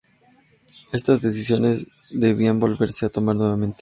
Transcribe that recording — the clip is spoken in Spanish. Estas decisiones debían volverse a tomar nuevamente.